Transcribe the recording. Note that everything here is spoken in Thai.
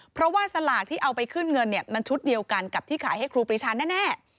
เพราะว่าสลากที่เอาไปขึ้นเงินเนี่ยมันชุดเดียวกันกับที่ขายให้ครูปรีชาแน่